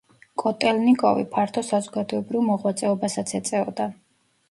კოტელნიკოვი ფართო საზოგადოებრივ მოღვაწეობასაც ეწეოდა.